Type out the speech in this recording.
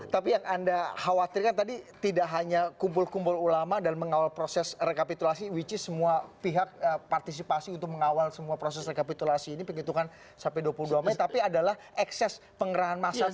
tapi yang anda khawatirkan tadi tidak hanya kumpul kumpul ulama dan mengawal proses rekapitulasi which is semua pihak partisipasi untuk mengawal semua proses rekapitulasi ini penghitungan sampai dua puluh dua mei tapi adalah ekses pengerahan masa saja